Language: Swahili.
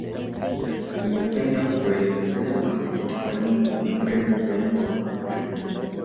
Ningependa kuelezea masikitiko yangu kwa kumpoteza kijana wa Afrika